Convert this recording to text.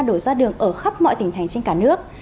đổ ra đường ở khắp mọi tỉnh thành trên cả nước